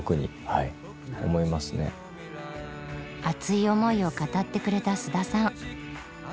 熱い思いを語ってくれた菅田さん。